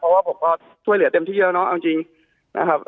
เพราะว่าผมก็ช่วยเหลือเต็มที่แล้วเนาะเอาจริงนะครับ